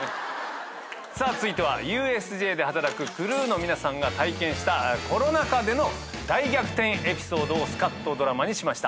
さあ続いてはＵＳＪで働くクルーの皆さんが体験したコロナ禍での大逆転エピソードをスカッとドラマにしました。